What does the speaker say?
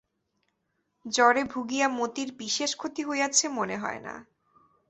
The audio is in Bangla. জ্বরে ভুগিয়া মতির বিশেষ ক্ষতি হইয়াছে মনে হয় না।